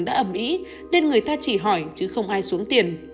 đã ẩm ý nên người ta chỉ hỏi chứ không ai xuống tiền